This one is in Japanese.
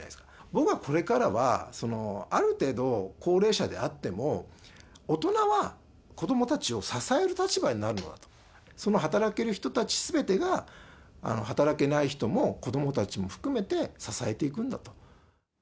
僕はこれからは、ある程度、高齢者であっても、大人は子どもをたちを支える立場になるのだと、その働ける人たちすべてが、働けない人も子どもたちも含めて支えていくんだと。